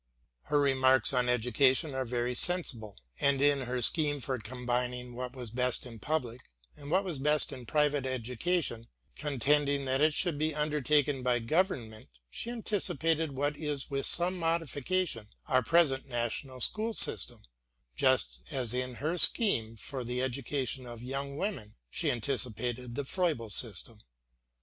Her remarks on education are very sensible, and in her scheme for combining what was best in public and what was best in private education, contending that it should be under taken by Government, she anticipated what is with some modification our present national school system, just as in her scheme for the education of young children she anticipated the Froebel system.